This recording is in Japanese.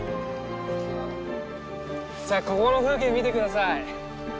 さあここの風景見て下さい。